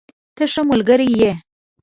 ته ښه ملګری یې.